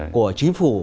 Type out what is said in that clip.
của chính phủ